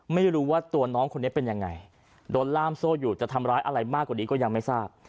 ไม่รู้ว่าตัวน้องคนนี้เป็นยังไงโดนล่ามโซ่อยู่จะทำร้ายอะไรมากกว่านี้ก็ยังไม่ทราบ